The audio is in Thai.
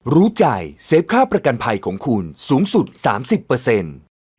รู้ใจเซฟค่าประกันภัยของคุณสูงสุด๓๐เปอร์เซ็นต์